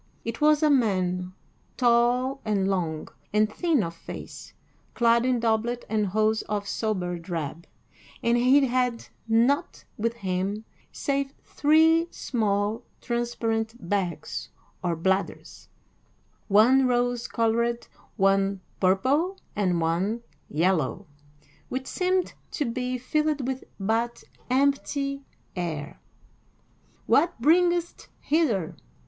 It was a man, tall and long, and thin of face, clad in doublet and hose of sober drab, and he had naught with him save three small, transparent bags or bladders, one rose colored, one purple, and one yellow, which seemed to be filled with but empty air. "What bringest hither?"